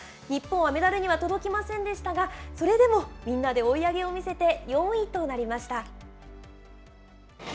日本はメダルには届きませんでしたが、それでもみんなで追い上げを見せて４位となりました。